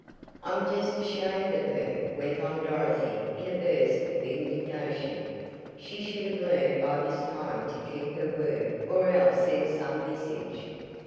"I'm just ashamed of her," went on Dorothy in a burst of indignation. "She should have learned by this time to keep her word, or else send some message."